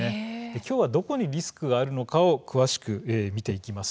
今日はどこにリスクがあるかを詳しく見ていきます。